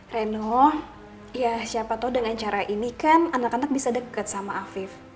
reno ya siapa tau dengan cara ini kan anak anak bisa deket sama afif